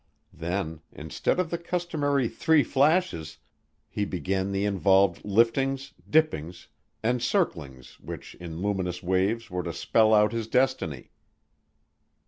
Then, instead of the customary three flashes, he began the involved liftings, dippings, and circlings which in luminous waves were to spell out his destiny.